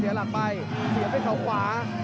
เสียไปข้าวขวา